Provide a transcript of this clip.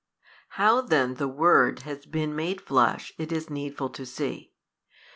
How then the Word has been made Flesh it is needful to see.